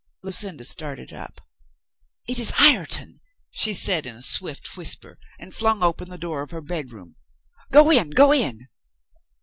Lucinda started up. "It is Ireton!" she said in a swift whisper, and flung open the door of her bed room. "Go in, go in